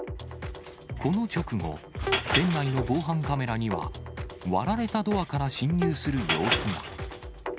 この直後、店内の防犯カメラには、割られたドアから侵入する様子が。